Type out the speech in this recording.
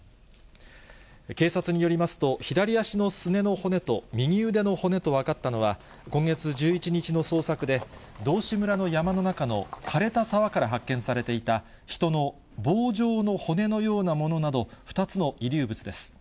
警察によりますと、左足のすねの骨と右腕の骨と分かったのは、今月１１日の捜索で、道志村の山の中のかれた沢から発見されていた人の棒状の骨のようなものなど、２つの遺留物です。